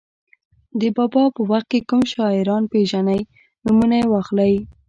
د بابا په وخت کې کوم شاعران پېژنئ نومونه یې واخلئ.